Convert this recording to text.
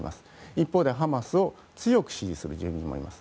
一方で、ハマスを強く支持する住民もいます。